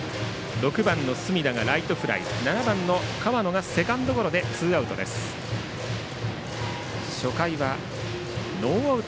６番の隅田がライトフライ７番、河野がセカンドゴロでツーアウト。